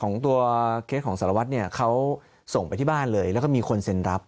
ของตัวเคสของสารวัตรเนี่ยเขาส่งไปที่บ้านเลยแล้วก็มีคนเซ็นรับ